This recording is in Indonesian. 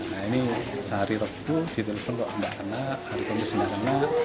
nah ini sehari repu ditelepon ke ambak anak hari pembicaraan